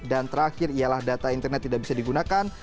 dan terakhir ialah data internet tidak bisa digunakan